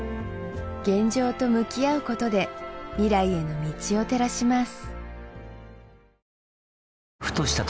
現状と向き合うことで未来への道を照らします